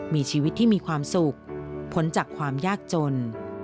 มีชีวิตที่มีความสุขพ้นจากความยากจน